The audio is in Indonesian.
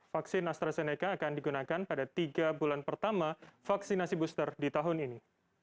vaksin astrazeneca akan digunakan pada tiga bulan pertama vaksinasi booster di tahun ini